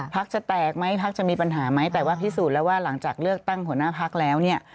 จะแตกไหมพักจะมีปัญหาไหมแต่ว่าพิสูจน์แล้วว่าหลังจากเลือกตั้งหัวหน้าพักแล้วเนี่ย